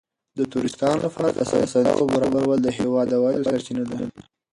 د توریستانو لپاره د اسانتیاوو برابرول د هېواد د عوایدو سرچینه ده.